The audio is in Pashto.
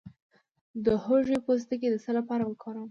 د هوږې پوستکی د څه لپاره وکاروم؟